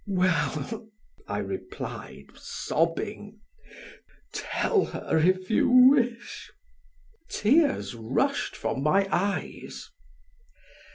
"Well?" I replied, sobbing, "tell her if you wish." Tears rushed from my eyes.